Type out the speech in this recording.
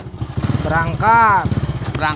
ini papa saja country tak besar